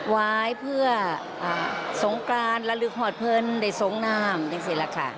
ไว้เพื่อสงกรานระลึกหอดเพลินได้สงนามดูสิล่ะค่ะ